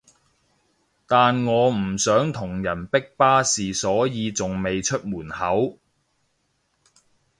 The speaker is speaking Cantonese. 但我唔想同人逼巴士所以仲未出門口